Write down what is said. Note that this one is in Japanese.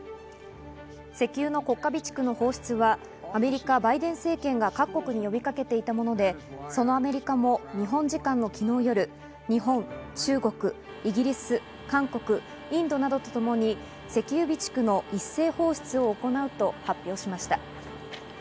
石油の国家備蓄の放出はアメリカ、バイデン政権が各国に呼びかけていたもので、そのアメリカも日本時間の昨日夜、日本、中国、イギリス、韓国、インドをなどとともに石油備蓄の一斉放出を行うと発表しました。